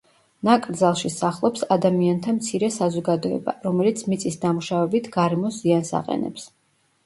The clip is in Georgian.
ნაკრძალში სახლობს ადამიანთა მცირე საზოგადოება, რომელიც მიწის დამუშავებით გარემოს ზიანს აყენებს.